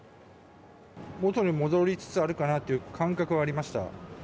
元に戻りつつあるかなっていう感覚はありました。